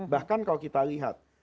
bahkan kalau kita lihat